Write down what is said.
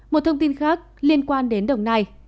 một thông tin khác liên quan đến đồng nai